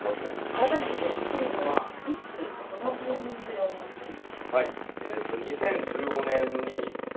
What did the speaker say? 改めてデスティーノはいつどのタイミングで思い付いた？